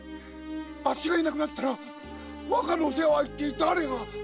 あっしがいなくなったら若のお世話は一体誰が⁉〕